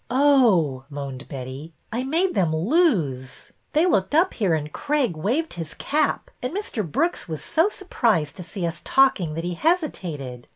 Oh !" moaned Betty. I made them lose ! They looked up here and Craig waved his cap, and Mr. Brooks was so surprised to see us talk ing that he hesitated.